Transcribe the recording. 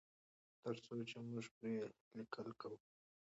تر څو چې موږ پرې لیکل کوو.